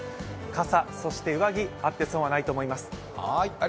傘、そして上着、あって損はないと思います。